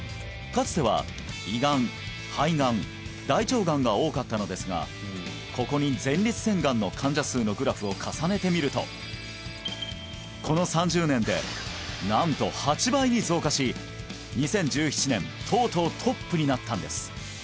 かつては胃がん肺がん大腸がんが多かったのですがここに前立腺がんの患者数のグラフを重ねてみるとこの３０年でなんと８倍に増加し２０１７年とうとうトップになったんです